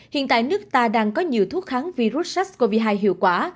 hiện tại nước ta đang có nhiều thuốc kháng virus sars cov hai hiệu quả